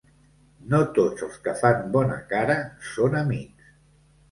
No tots els que fan bona cara són amics.